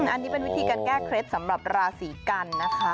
อันนี้เป็นวิธีการแก้เคล็ดสำหรับราศีกันนะคะ